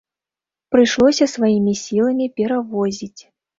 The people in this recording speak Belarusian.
Прыйшлося сваімі сіламі перавозіць.